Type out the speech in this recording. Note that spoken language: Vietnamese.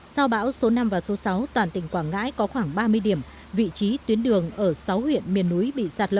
sau bão số năm và số sáu toàn tỉnh quảng ngãi có khoảng ba mươi điểm vị trí tuyến đường ở sáu huyện miền núi bị sạt lở